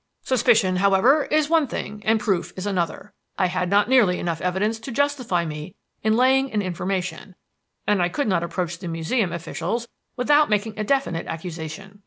"Suspicion, however, is one thing and proof is another; I had not nearly enough evidence to justify me in laying an information, and I could not approach the Museum officials without making a definite accusation.